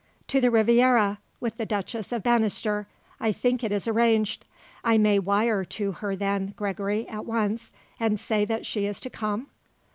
"To the Riviera, with the Duchess of Bannister, I think it is arranged. I may wire to her, then, Gregory, at once, and say that she is to come?"